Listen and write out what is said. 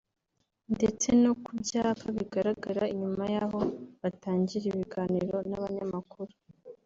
ndetse no ku byapa bigaragara inyuma y’aho batangira ibiganiro n’abanyamakuru